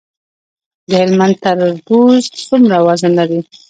د هلمند تربوز څومره وزن لري؟